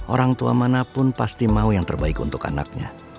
orang tua manapun pasti mau yang terbaik untuk anaknya